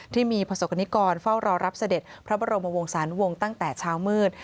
ที่มีประสบกรณิกรเฝ้ารอรับเสด็จพระบรมวงศาลวงศ์ตั้งแต่เช้ามืด